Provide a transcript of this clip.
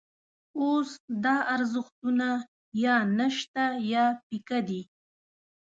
اوس دا ارزښتونه یا نشته یا پیکه دي.